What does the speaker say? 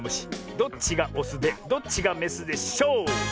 どっちがオスでどっちがメスでしょう？